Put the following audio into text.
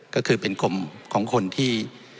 ก็คือเป็นกลุ่มของคนที่